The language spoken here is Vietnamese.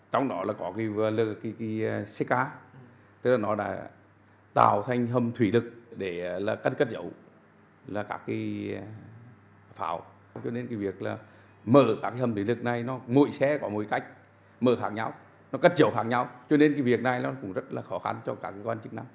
trong đó có lực lượng